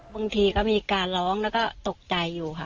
บางทีก็มีการร้องแล้วก็ตกใจอยู่ค่ะ